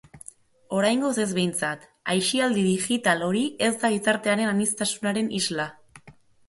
Oraingoz ez, behintzat, aisialdi digital hori ez da gizartearen aniztasunaren isla.